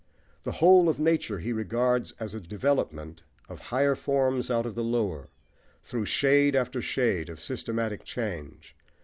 The whole of nature he regards as a development of higher forms out of the lower, through shade after shade of systematic change.